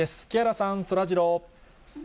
木原さん、そらジロー。